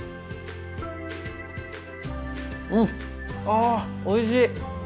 うんあおいしい！